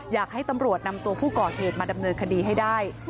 อยากให้ตำรวจนำตัวผู้ก่อเหตุมาดำเนินคดีให้ได้